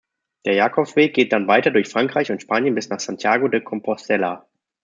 Der Jakobsweg geht dann weiter durch Frankreich und Spanien bis nach Santiago de Compostela.